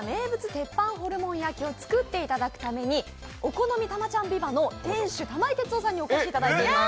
鉄板ホルモン焼きを作っていただくためにお好みたまちゃんｖｉｖａ！の店主、玉井哲雄さんにお越しいただいています。